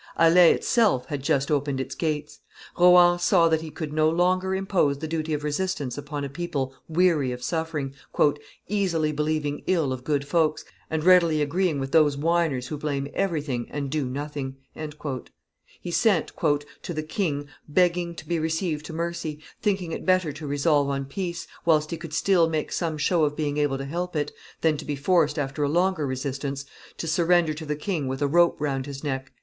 Alais itself had just opened its gates. Rohan saw that he could no longer impose the duty of resistance upon a people weary of suffering, "easily believing ill of good folks, and readily agreeing with those whiners who blame everything and do nothing." He sent "to the king, begging to be received to mercy, thinking it better to resolve on peace, whilst he could still make some show of being able to help it, than to be forced, after a longer resistance, to surrender to the king with a rope round his neck."